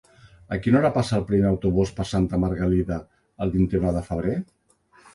A quina hora passa el primer autobús per Santa Margalida el vint-i-nou de febrer?